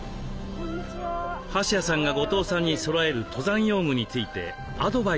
橋谷さんが後藤さんにそろえる登山用具についてアドバイスすることに。